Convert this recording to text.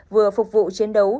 vừa phục vụ chiến đấu